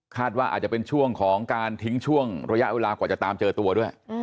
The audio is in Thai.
ว่าอาจจะเป็นช่วงของการทิ้งช่วงระยะเวลากว่าจะตามเจอตัวด้วย